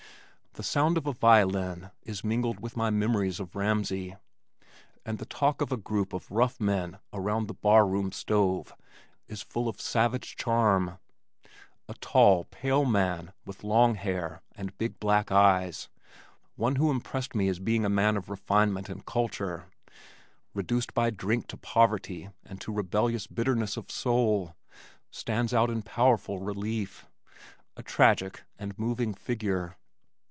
The sound of a violin is mingled with my memories of Ramsey, and the talk of a group of rough men around the bar room stove is full of savage charm. A tall, pale man, with long hair and big black eyes, one who impressed me as being a man of refinement and culture, reduced by drink to poverty and to rebellious bitterness of soul, stands out in powerful relief a tragic and moving figure.